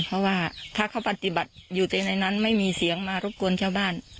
เพราะว่าถ้าเขาปฏิบัติอยู่ตัวเองในนั้นไม่มีเสียงมารบกวนชาวบ้าน